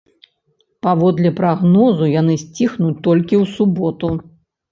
Паводле прагнозу, яны сціхнуць толькі ў суботу.